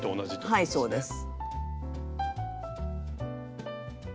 はいそうです。